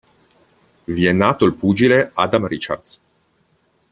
Vi è nato il pugile Adam Richards.